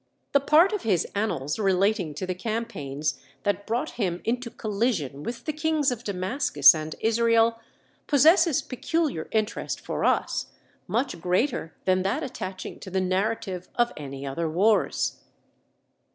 The part of his annals relating to the campaigns that brought him into collision with the kings of Damascus and Israel possesses peculiar interest for us, much greater than that attaching to the narrative of any other wars.